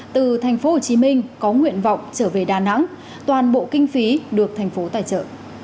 từ thành phố hồ chí minh có nguyện vọng trở về đà nẵng toàn bộ kinh phí được thành phố tài trợ